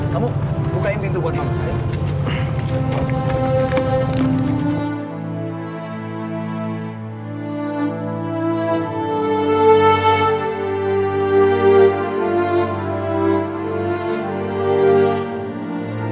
kamu bukain pintu buat kamu